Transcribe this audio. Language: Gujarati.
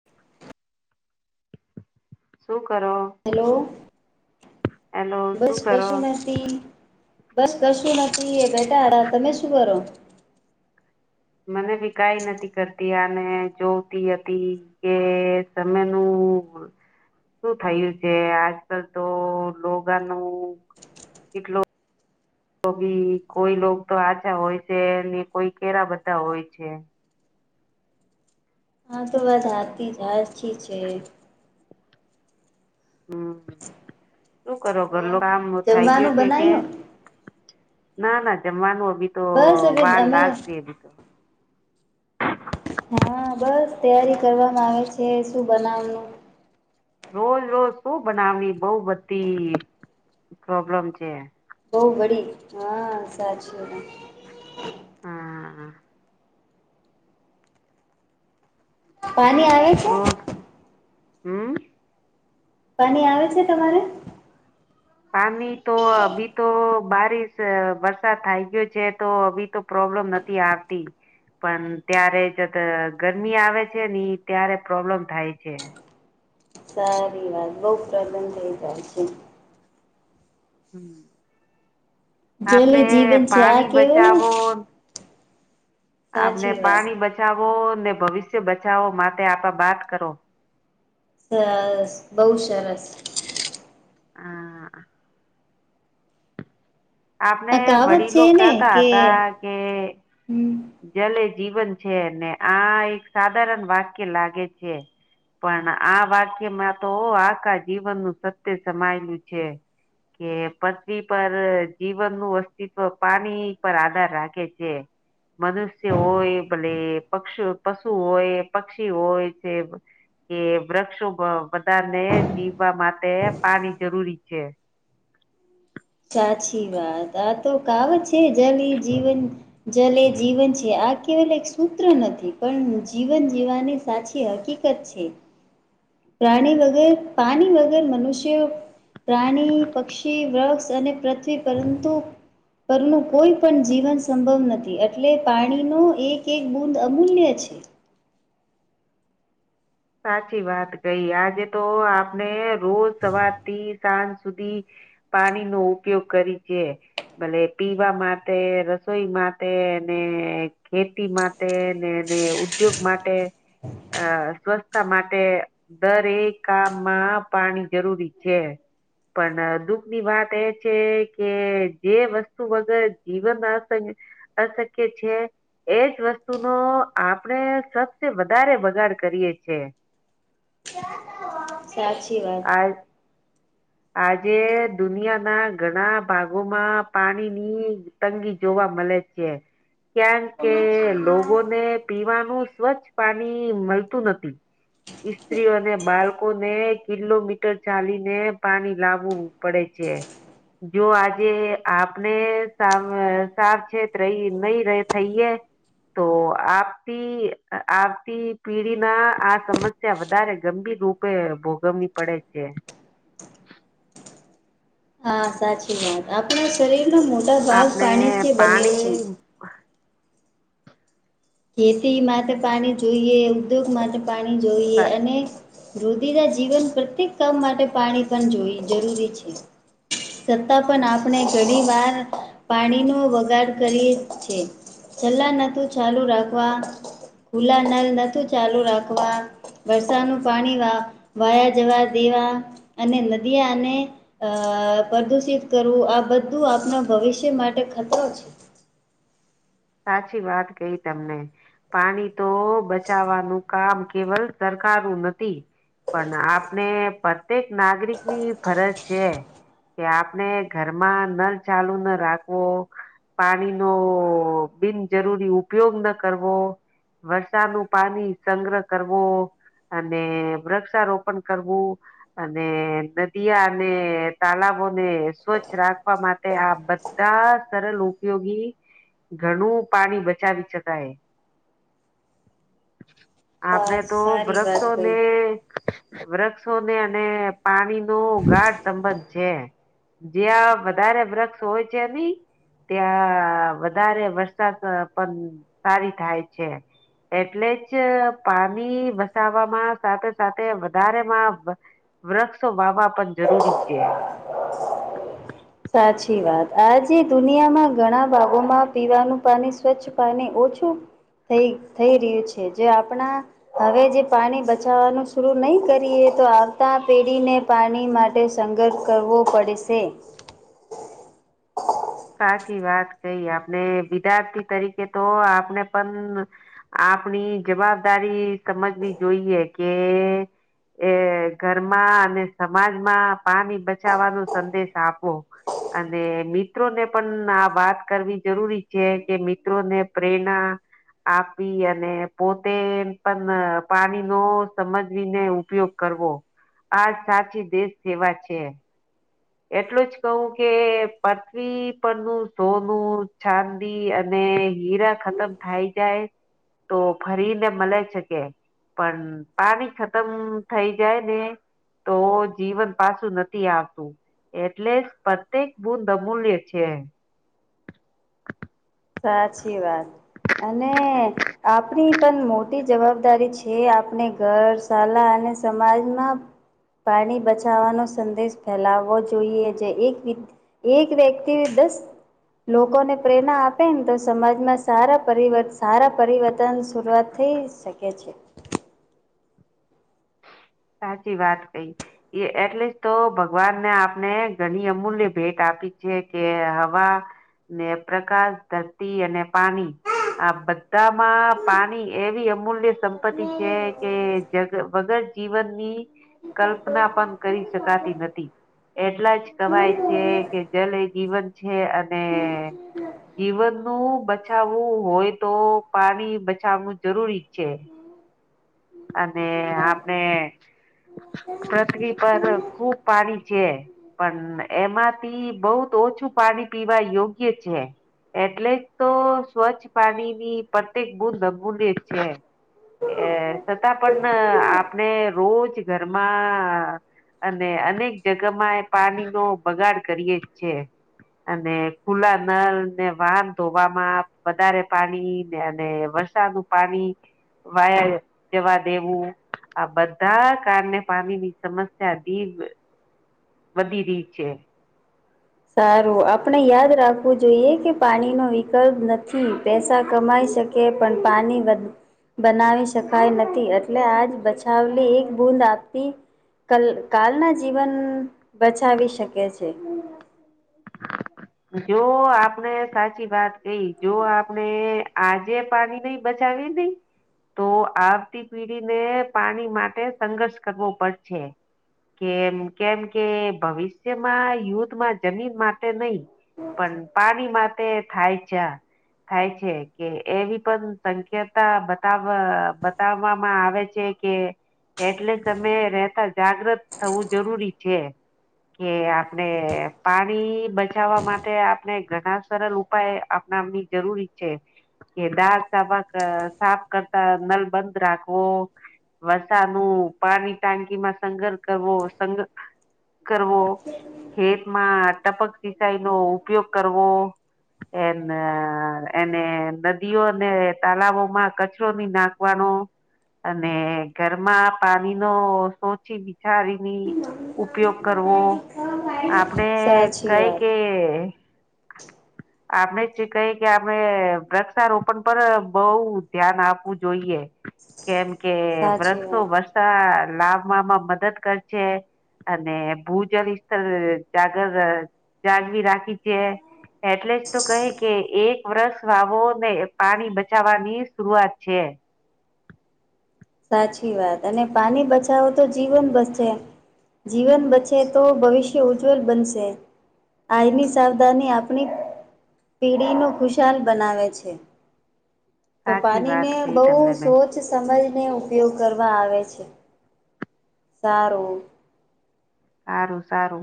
[unintelligible] શું કરો? હેલો, હેલો બસ શું કરો કશું નથી. બસ કશું નથી. એ બેટાડા તમે શું કરો? મને ભી કંઈ નથી કરતી, આને જોતી હતી. કે સમયનું શું થયું છે આજ કાલે તો લોગા ન કેટલો તો ભી કોઈ લો તો આછા હોય છે ને, કોઈ કે બધા હોય છે. હા, તો વધારતી છે. હમ, શું કરો? ઓર ઘરલો કામ થાય ગયા જમવાનું છે કે? બનાયું ના ના, જમવાનું એ બી તો બસ હવે વાર અમે લાગશે એ બી હા, બસ તૈયારી કરવામાં આવે છે. શું બનાવાનું? રોજ રોજ શું બનાવવું, બઉ બધી પ્રોબ્લેમ છે. બહુ બડી હા, સાચી એ. હા. પાણી આવે છે? રોજ હમ. પાણી આવે છે તમારે? પાણી તો અભી તો બારિશ વરસાદ થઈ ગયો છે, તો હી તો પ્રોબ્લેમ નથી આવતી. પણ ત્યારે જતાં ગરમી આવે છે ને, ત્યારે પ્રોબ્લેમ થાય છે. સારી વાત, લોક પ્રસન્ન થઈ જાય છે. હમ, જલ એ આપણે જીવન છે આ પાણી કેવું બચાવો આપને સાચી વાત પાણી બચાવો ને ભવિષ્ય બચાવો માટે આપે વાત કરો. હ, બહુ સરસ. હા. આપને આ કાવત છે વડીલો ને કહતા કે હતા કે હમ જલે જીવન છે ને, આ એક સાધારણ વાક્ય લાગે છે. પણ આ વાક્યમાં તો આખા જીવનનું સત્ય સમાયેલું છે. કે પટરી પર જીવન નું અસ્તિત્વ પાણી પર આધાર રાખે છે. મનુષ્ય હોય, ભલે પક્ષી હોય, પશુ હોય, પક્ષી હોય છે. કે વૃક્ષો બધાને જીવવા માટે પાણી જરૂરી છે. સાચી વાત આ તો કાવ છે જલ જીવન જલે જીવન છે આ કેવલ એક સૂત્ર નથી પણ જીવન જીવવાની સાચી હકીકત. પક્ષી પ્રાણી વગેર પાણી વગર મનુષ્ય પ્રાણી પક્ષી વૃક્ષ અને પૃથ્વી પરંતુ પરનું કોઈ પણ જીવન સંભવ નથી એટલે પાણીનો એક એક બુંદ અમૂલ્ય છે. સાચી વાત કઈ આજે તો આપને રોજ સવાર થી સાંજ સુધી પાણી નો ઉપયોગ કરી છે. ભલે પીવા માટે રસોઈ માટે અને ખેતી માટે એ ને ઉદ્યોગ માટે અ સ્વસ્થ માટે દરેક કામમાં પાણી જરૂરી છે પણ દુઃખ ની વાત એ છે કે જે વસ્તુ વગર જીવન અસ અશક્ય છે એજ વસ્તુનો આપણેે સબસે વધારે બગાડ કરીએ છે સાચી વાત હ આજે દુનિયા ના ઘણા ભાગોમાં પાણીની તંગી જોવા મળે છે કેમ કે લોગોને પીવાનું સ્વચ્છ પાણી મળતું નથી ઈસ્ત્રીઓ અને બાળકો ને કિલોમીટર ચાલીને પાણી લાવવું પડે છે જો આજે આપણે સાવ સાવચેત રહી નહી ર થઈએે તો આપતી આવતી પેઢી ના આ સમ સ્યા વધારે ગંભીર રૂપે ભોગવવી પડે છે હા સાચી વાત આપણા શરીર નો મોટા ભાગ આપણે પાણી જે બન્યો છે પાણી ખેતી માટે પાણી જોઈએ ઉદ્યોગ માટે પાણી જોઈએ સા- અને રુધિરા જીવન પ્રત્યેક કામ માટે પાણી પણ જોઈ જરૂરી છે છતાં પણ આપણે ઘણી વાર પાણીનો વગાડ કરીએ છે ચલ્લા નત ચાલુ રાખવા ભુલા નલ નાતુ ચાલુ રાખવા વરસાનું પાણી વાયા જવા દેવા અને નદીયા અને અ પ્રદુષિત કરવું આ બધું આપણા ભવિષ્ય માટે ખતરો છે સાચી વાત કઈ તમને પાણી તો બચવાનું કામ કેવલ સરકારું નથી પણ આપણે પ્રત્યેક નાગરિકની ફરજ છે કે આપણે ઘરમાં નલ ચાલુ ન રાખવો પાણીનો બિનજરૂરી ઉપયોગ ન કરવો વરસાદ નું પાણી સંગ્રહ કરવો અને વૃક્ષારોપણ કરવું અને નદીિયા અને તલાબોને સ્વચ્છ રાખવા માટે આ બ ન સરલ ઉપયોગી ઘણું પાણી બચાવી શક એ આપણે તો સારી વાત કઈ વૃક્ષોને વૃક્ષોને અને પાણી ગાઢ સંબંધ છે જ્યાં વધારે વૃક્ષ હોય છે ની ત્યાં વધારે વરસાદ પણ સારી થાય છે એટલે જ પાની વસવામાં સાથે સાથે વધારેમાં વૃક્ષો વાવવા પણ જરૂરી છે સાચી વાત આજે દુનિયામાં ઘણા ભાગોમાં પીવાનું પાણી સ્વચ્છ પાણી ઓછું થઈ થઈ રહ્યું છે જે આપણા હવે જે પાણી બચાવવાનું શરું નહી કરીએ તો આવતા પેઢીને પાણી માટે સંઘર્ષ કરવો પડશે સાચી વાત કઈ આપણે વિદ્યાર્થી તરીકે તો આપને પણ આપણી જવાબદારી સમજવી જોઈએ કે એ ઘરમાં અને સમાજમાં પાણી બચાવવાનો સંદેશ આપો અને મી મિત્રોને પણ આ વાત કરવી જરૂરી છે કે મિત્રોને પ્રેરણા આપી અને પોતે પણ પાણીનો સમજવીને ઉપયોગ કરવો આ સાચી દેશ સેવા છે એટલું જ કહું કે પથ્વી પરનું સોનું છાન અને હીરા ખતમ થાય જાય તો ફરીને મળે શકે. પણ પાણી ખતમ થઈ જાય ને તો જીવન પાછું નથી આવતું. એટલે પ્રત્યેક બૂદ અમૂલ્ય છે. સાચી વાત અને આપણી પણ મોટી જવાબદારી છે. આપણે ઘર, શાલા અને સમાજમાં પાણી બચાવવાનો સંદેશ ફેલાવવો જોઈએ. જે એક વિ એક વ્યક્તિ દસ લોકોને પ્રેરણા આપ આપે ને તો સમાજમાં સારા પરિવર્ત સારા પરિવર્તન શરૂઆત થઈ શકે છે. સાચી વાત કઈ. એ એટલીસ્ટ તો ભગવાનને આપણે ઘણી અમૂલ્યે ભેટ આપી છે. કે હવા ને પ્રકાશ, ધરતી અને પાણી આ બધામાં પાણી એવી અમૂલ્ય સંપત્તિ છે કે જગ વગર જીવનની કલ્પના પણ કરી શકાતી નથી. એટલા જ કવાય છે. કે જલ એ જીવન છે. અને જીવન નું બચાવવું હોય તો પાણી બચાવુ જરૂરી છે. અને આપણે પૃથ્વી પર ખુબ પાણી છે. પણ એમાંથી બહુત ઓછું પાણી પીવા યોગ્ય છે. એટલે જ તો સ્વચ્છ પાણીની પ્રત્યેક બૂદબૂને જ છે. એ છતાં પણ આપણે રોજ ઘરમાં અને અનેક જગામાં એ પાણી નો બગાડ કરીએ જ છે. અને ખુલ્લા નળ ને વાહન ધોવામાં વધારે પાણી અને વ સાદું પાણી વાયર જવા દેવું. આ બધા કારણે પાણી ની સમસ્યા દી વધી રીત છે. સારું આપણે યાદ રાખવું જોઈએ. કે પાણી નો વિકલ્પ નથી. પૈસા કમાઈ શકે. પણ પાણી વધ બનાવી શકાય નથી. એટલે આજ બચાવલી એક બૂદ આપતી કલ કાલના જીવન બચાવી શકે છે. જો આપણે સાચી વાત કહી. જો આપણે આજે પાણી નહી બચાવ દ તો આવતી પીઢીને પાણી માટે સંઘર્ષ કરવો પડશે. કેમ કેમ કે ભવિષ્યમાં યુદ્ધમાં જમીન માટે નહી પણ પાણી માટે થાય છે. થાય છે કે એવી પણ સંક્યતા બતાવ બતાવવામાં આવે છે. કે એટલે તમે રેતા જાગ્રત થવું જરૂરી છે. કે આપણે પાણી બચ બચાવા માટે આપણે ઘણા સરલ ઉપાય આપણાની જરૂરી છે. કે દાળ સાાબાક સાફ કરતા નલ બંધ રાખવો. વરસા નું પાણી ટાંકીમાં સંગર કરવો. સંગ કરવો. ખેતમાં ટપક સિસાઈ નો ઉપયોગ કરવો. એન એને નદીઓ અને તાલાવો માં કચરોની નાખ [unintelligible] [inaudible] અને ઘરમાં પાણી નો સોચી બિચારીની ઉપયોગ. કરવો આપણે સાચી કઈ વાત કે આપને કહી કે અમે વૃક્ષારોપણ પર બહુ ધ્યાન આપવું જોઈએ. કેમ કે સાચી વૃક્ષો વાત વર્ષા લાવવામાં મદદ કર છે. અને ભૂ જળ સ્થર જાગર જાળવી રાખી છે. એટલે જ તો કહે કે એક વર્ષ વાવો ને પાણી બચાવાની શરુઆત છે. સાચી વાત અને પાણી બચાવો તો જીવન બસશે. જીવન બચે તો ભવિષ્ય ઉજ્જવલ બનશે. આની સાવધાની આપની. પેઢીનું ખુશાલ બનાવે છે. તો સાચી પાણીને વાત કહી બહુ તમને બેન સોચ સમજને ઉપયોગ કરવા આવે છે. સારું. સારું સારું.